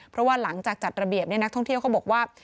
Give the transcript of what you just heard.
เพราะว่าหลังจากจัดระเบียบนักท่องเที่ยวเขาบอกว่า